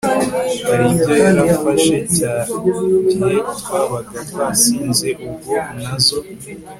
hari ibyo yarafashe cya gihe twabaga twasinze ubwo nazo